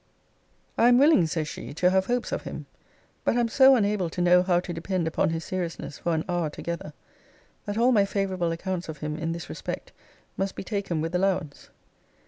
] I am willing, says she, to have hopes of him: but am so unable to know how to depend upon his seriousness for an hour together, that all my favourable accounts of him in this respect must be taken with allowance.